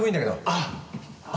あっ！